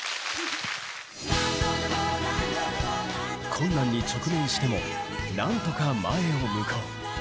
困難に直面しても何とか前を向こう。